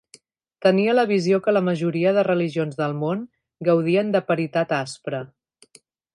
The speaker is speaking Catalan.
Tenia la visió que la majoria de religions del món gaudien de "paritat aspra".